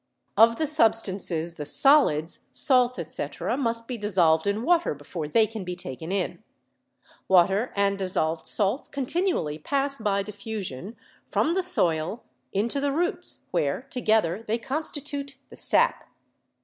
Of the substances the solids (salts, etc.) must be dis solved in water before they can be taken in. Water and no BIOLOGY dissolved salts continually pass by diffusion from the soil into the roots, where together they constitute the sap.